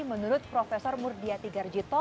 menurut prof murdia tiga rijito